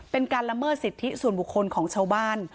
เป็นการละเมิดสิทธิส่วนบุคคลของชาวบ้าน